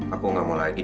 aku gak mau lagi